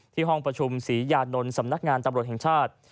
ห้องประชุมศรียานนท์สำนักงานตำรวจแห่งชาติ